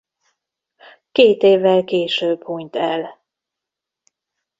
Két évvel később hunyt el.